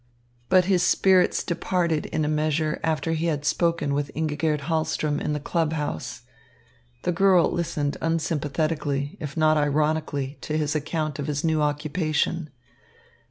But his spirits departed in a measure after he had spoken with Ingigerd Hahlström in the club house. The girl listened unsympathetically, if not ironically, to his account of his new occupation.